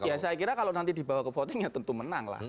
ya saya kira kalau nanti dibawa ke voting ya tentu menang lah